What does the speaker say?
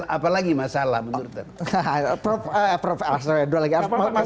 apalagi masalah menurut saya